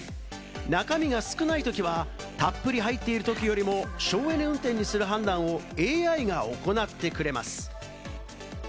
中身が少ないときは、たっぷり入っているときよりも省エネ運転にする判断をＡＩが行ってくれます。